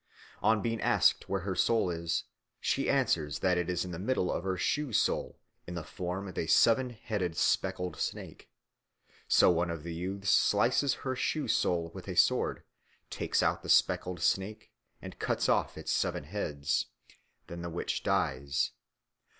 On being asked where her soul is, she answers that it is in the middle of her shoe sole in the form of a seven headed speckled snake. So one of the youths slices her shoe sole with his sword, takes out the speckled snake, and cuts off its seven heads. Then the witch dies.